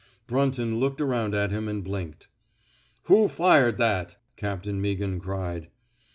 Brunton looked around at him and blinked. Who fired that? '' Captain Meaghan cried.